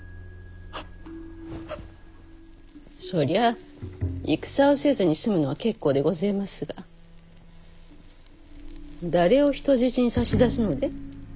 そりゃあ戦をせずに済むのは結構でごぜえますが誰を人質に差し出すので？